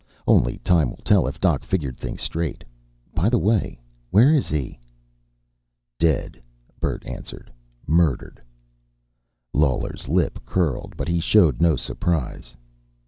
Only time will tell if Doc figured things straight. By the way, where is he?" "Dead," Bert answered. "Murdered." Lawler's lip curled, but he showed no surprise.